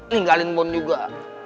linggalin bon juga